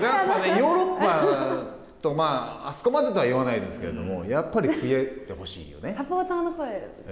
ヨーロッパと、あそこまでとは言わないですけれども、やっぱりサポーターの声です。